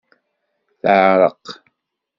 Teɛreq.